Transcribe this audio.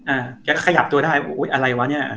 อ่าแกก็ขยับตัวได้โอ้ยอะไรวะเนี้ยอ่า